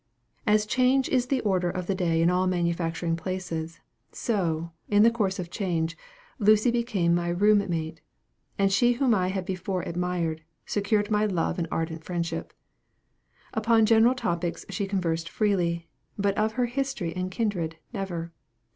As change is the order of the day in all manufacturing places, so, in the course of change, Lucy became my room mate; and she whom I had before admired, secured my love and ardent friendship. Upon general topics she conversed freely; but of her history and kindred, never.